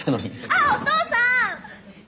ああお父さん！